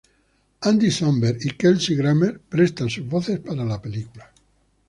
Andy Samberg y Kelsey Grammer prestan sus voces para la película.